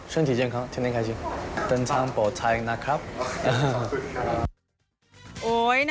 สุดท้ายสุดท้าย